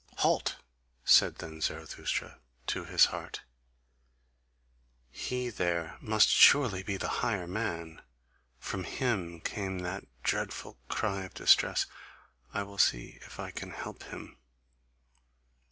"Halt!" said then Zarathustra to his heart, "he there must surely be the higher man, from him came that dreadful cry of distress, I will see if I can help him."